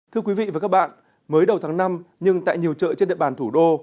thưa quý vị và các bạn mới đầu tháng năm nhưng tại nhiều chợ trên địa bàn thủ đô